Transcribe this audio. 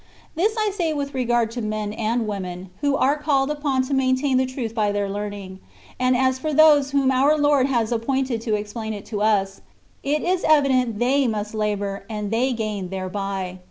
This I say with regard to men and women^ who are called upon to maintain the truth by their learning : and as for those whom our Lord has appointed to explain it to us^ it is evident they must labour, and they gain thereby.